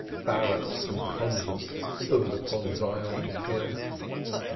Barracks and convents stood on Zion's hill.